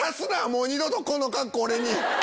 もう二度とこの格好俺に。